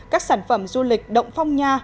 các sản phẩm du lịch động phong nha